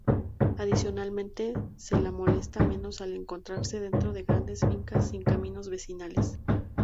Adicionalmente se la molesta menos al encontrarse dentro de grandes fincas sin caminos vecinales.